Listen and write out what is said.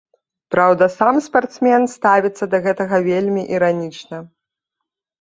Праўда, сам спартсмен ставіцца да гэтага вельмі іранічна.